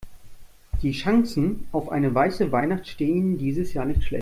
Die Chancen auf eine weiße Weihnacht stehen dieses Jahr nicht schlecht.